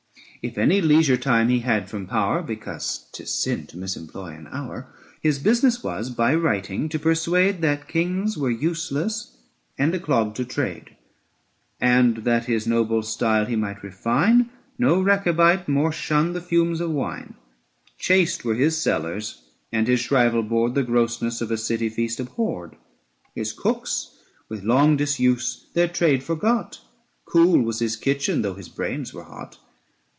If any leisure time he had from power, Because 'tis sin to misemploy an hour, His business was by writing to persuade That kings were useless and a clog to trade : 615 And that his noble style he might refine, No Rechabite more shunned the fumes of wine. Chaste were his cellars, and his shrieval board The grossness of a city feast abhorred : His cooks with long disuse their trade forgot ; 620 Cool was his kitchen, though his brains were hot.